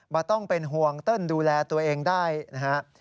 ต้องเป็นห่วงเติ้ลดูแลตัวเองได้นะครับ